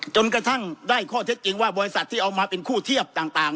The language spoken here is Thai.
จนกระทั่งได้ข้อเท็จจริงว่าบริษัทที่เอามาเป็นคู่เทียบต่าง